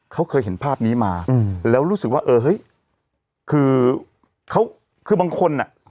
เขาเคยเห็นภาพนี้มาแล้วรู้สึกว่าเออเฮ้ยคือเขาคือบางคนอ่ะ